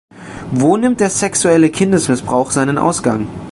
Wo nimmt der sexuelle Kindesmissbrauch seinen Ausgang?